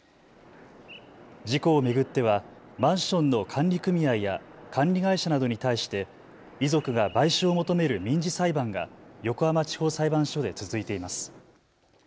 事故を巡ってはマンションの管理組合や管理会社などに対して遺族が賠償を求める民事裁判が横浜地方裁判所で続いています。